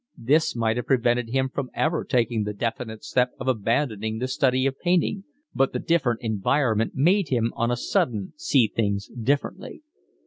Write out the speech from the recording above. This might have prevented him from ever taking the definite step of abandoning the study of painting, but the different environment made him on a sudden see things differently.